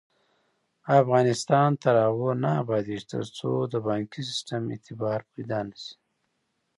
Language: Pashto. افغانستان تر هغو نه ابادیږي، ترڅو د بانکي سیستم اعتبار پیدا نشي.